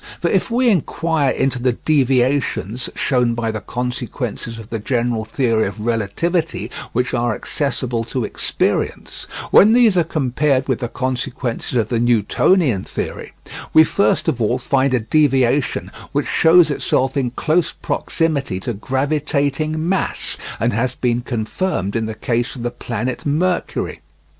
For if we inquire into the deviations shown by the consequences of the general theory of relativity which are accessible to experience, when these are compared with the consequences of the Newtonian theory, we first of all find a deviation which shows itself in close proximity to gravitating mass, and has been confirmed in the case of the planet Mercury.